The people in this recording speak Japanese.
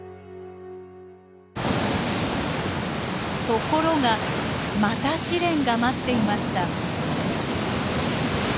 ところがまた試練が待っていました。